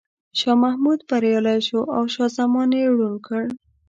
شاه محمود بریالی شو او شاه زمان یې ړوند کړ.